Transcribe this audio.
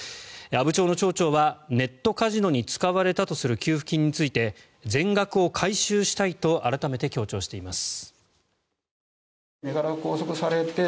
阿武町の町長はネットカジノに使われたとする給付金について全額を回収したいと改めて強調しています。